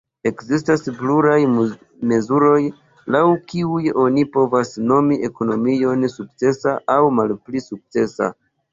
Ekzistas pluraj mezuroj, laŭ kiuj oni povas nomi ekonomion sukcesa aŭ malpli sukcesa.